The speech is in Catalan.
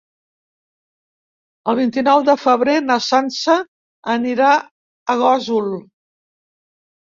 El vint-i-nou de febrer na Sança anirà a Gósol.